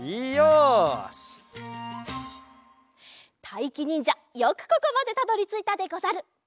たいきにんじゃよくここまでたどりついたでござる。